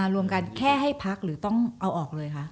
รวมกันแค่ให้พักหรือต้องเอาออกเลยคะ